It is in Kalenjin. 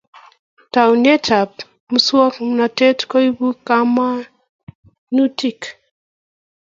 Taunet ab musongnotet koibu kamanutik.